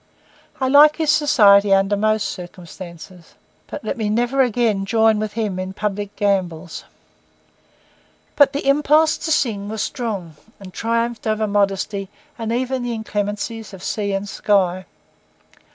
I like his society under most circumstances, but let me never again join with him in public gambols. But the impulse to sing was strong, and triumphed over modesty and even the inclemencies of sea and sky.